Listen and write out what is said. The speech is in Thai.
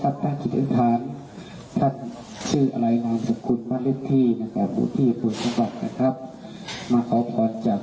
อ่าท่านช่วยตลอดนะครับคนที่ผูกนะครับ